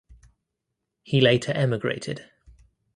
He later emigrated.